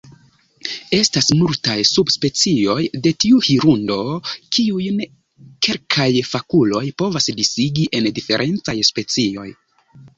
Estas multaj subspecioj de tiu hirundo, kiujn kelkaj fakuloj povas disigi en diferencaj specioj.